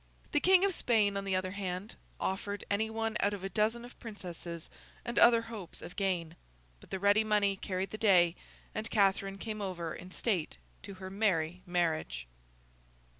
The King of Spain, on the other hand, offered any one out of a dozen of Princesses, and other hopes of gain. But the ready money carried the day, and Catherine came over in state to her merry marriage.